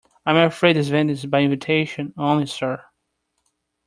I'm afraid this event is by invitation only, sir.